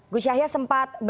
gus yahya sempat bertanya